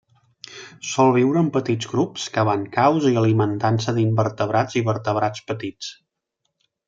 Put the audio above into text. Sol viure en petits grups, cavant caus i alimentant-se d'invertebrats i vertebrats petits.